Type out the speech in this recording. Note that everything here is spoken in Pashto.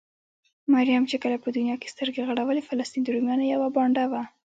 مريم چې کله په دونيا کې سترګې غړولې؛ فلسطين د روميانو يوه بانډه وه.